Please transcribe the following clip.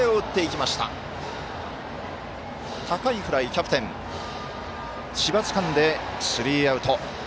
キャプテン、千葉つかんでスリーアウト。